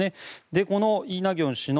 このイ・ナギョン氏の